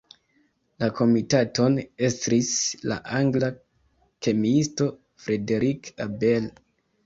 La komitaton estris la angla kemiisto Frederick Abel.